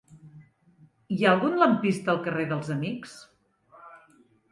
Hi ha algun lampista al carrer dels Amics?